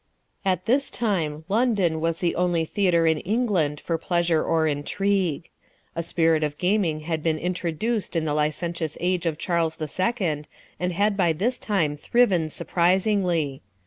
At this time London was the only theatre in England for pleasure or intrigue. A spirit of gaming had been introduced in the licentious age of Charles II., and had by this time thriven surprisingly.